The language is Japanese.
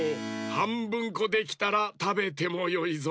はんぶんこできたらたべてもよいぞ。